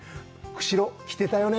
釧路、来てたよね？